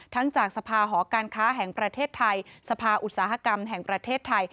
จากสภาหอการค้าแห่งประเทศไทยสภาอุตสาหกรรมแห่งประเทศไทย